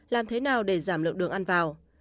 làm thế nào để giảm lượng đường ăn vào